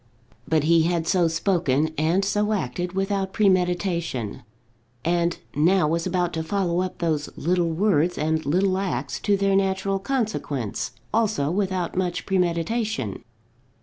But he had so spoken and so acted without premeditation, and now was about to follow up those little words and little acts to their natural consequence, also without much premeditation.